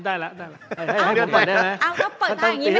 ได้แล้วได้แล้ว